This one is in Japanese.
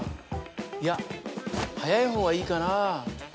いや早いほうがいいかな？